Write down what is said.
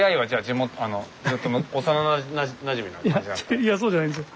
いやそうじゃないんですよ。